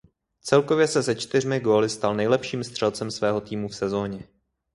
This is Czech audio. Celkově se se čtyřmi góly stal nejlepším střelcem svého týmu v sezóně.